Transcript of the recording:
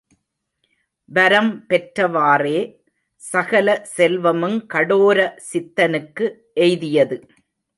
வரம் பெற்றவாறே சகல செல்வமுங் கடோர சித்தனுக்கு எய்தியது.